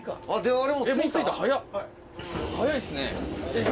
早いっすね。